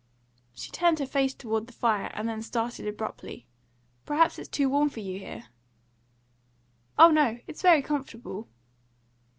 She turned her face towards the fire, and then started abruptly. "Perhaps it's too warm for you here?" "Oh no, it's very comfortable."